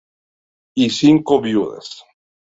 Y cinco viudas.